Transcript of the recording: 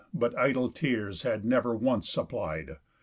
But idle tears had never wants supplied.